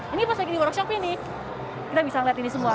ini pas lagi di workshopnya nih kita bisa lihat ini semua